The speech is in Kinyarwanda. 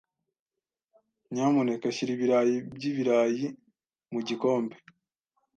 Nyamuneka shyira ibirayi by'ibirayi mu gikombe.